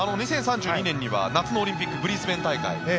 ２０３２年には夏のオリンピックブリスベン大会。